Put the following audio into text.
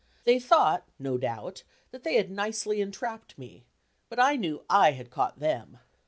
They thought, no doubt, that they had nicely entrapped me, but I knew I had caught them.